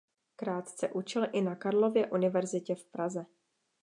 Krátce učil i na Karlově univerzitě v Praze.